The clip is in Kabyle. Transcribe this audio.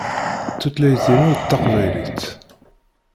Tutlayt-inu d taqbaylit.